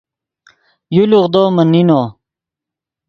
یو لوغدو من نینو